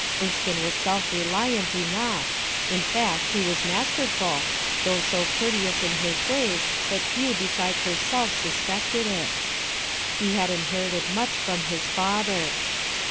Erskine was self reliant enough ; in fact he was masterful, though so courteous in his ways that few beside herself suspected it. He had inherited much from his father.